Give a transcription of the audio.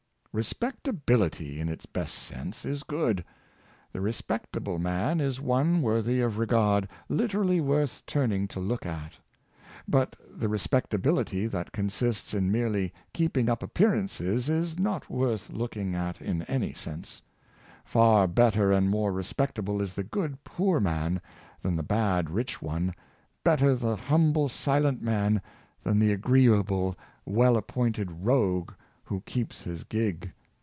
'* Respectability," in its best sense, is good. The re spectabable man is one worthy of regard, literally worth turning to look at. But the respectability that consists in merely keeping up appearances is not worth looking at in any sense. Far better and more respect able is the good poor man than the bad rich one — bet ter the humble silent man than the agreeable, well ap pointed rogue who keeps his gig.